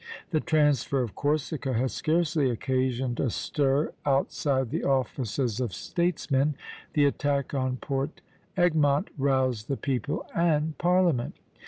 The transfer of Corsica had scarcely occasioned a stir outside the offices of statesmen; the attack on Port Egmont roused the people and Parliament.